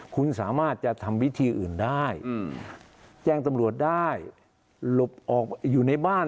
คุณสามารถจะทำวิธีอื่นได้แจ้งตำรวจได้หลบออกอยู่ในบ้าน